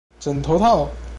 枕頭套